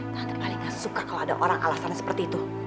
tante paling gak suka kalau ada orang alasan seperti itu